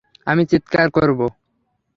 আমি চিৎকার করব।